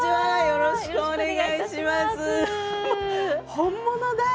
よろしくお願いします！